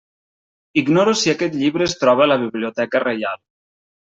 Ignoro si aquest llibre es troba a la Biblioteca Reial.